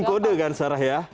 ini bukan kode kan sarah ya